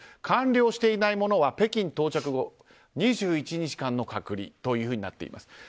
完了していない者は北京到着後２１日間の隔離というふうになっています。